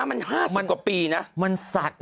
มัน๕๐กว่าปีนะ